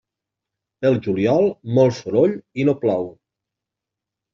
Pel juliol, molt soroll i no plou.